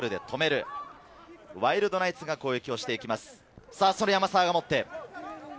ワイルドナイツが攻撃をしていきます。